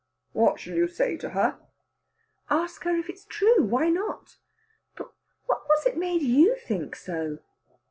"What shall you say to her?" "Ask her if it's true! Why not? But what was it made you think so?"